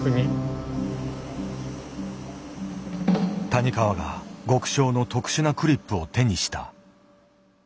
谷川が極小の特殊なクリップを手にした。